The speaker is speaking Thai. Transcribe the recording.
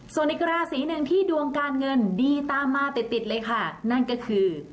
ส่วนอีกราศีหนึ่งที่ดวงการเงินดีตามมาติดติดเลยค่ะนั่นก็คือ